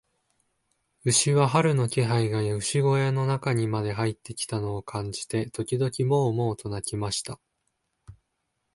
牛は、春の気配が牛小屋の中にまで入ってきたのを感じて、時々モウ、モウと鳴きました。